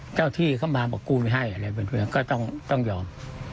เจ้าที่เขามากูไม่ให้ต้องยอม